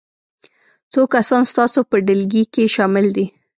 څو کسان ستاسو په ډلګي کې شامل دي؟